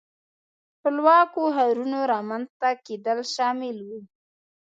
خپلواکو ښارونو رامنځته کېدل شامل وو.